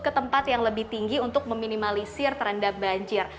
ke tempat yang lebih tinggi untuk meminimalisir terendam banjir